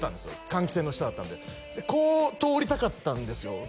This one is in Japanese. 換気扇の下だったんでこう通りたかったんですよ